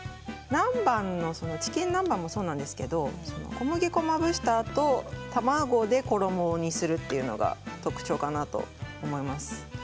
チキン南蛮もそうなんですけれど小麦粉をまぶしたあと卵で衣にするというのが特徴かなと思います。